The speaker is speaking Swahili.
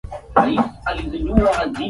nitakwenda kulalamika kwa wananchi wenyewe